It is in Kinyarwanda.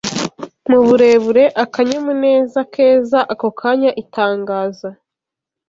Muburebure, akanyamuneza keza ako kanya Itangaza